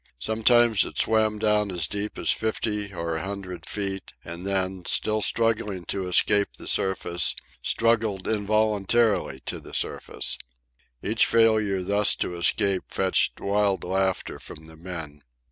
Sometimes it swam down as deep as fifty or a hundred feet, and then, still struggling to escape the surface, struggled involuntarily to the surface. Each failure thus to escape fetched wild laughter from the men.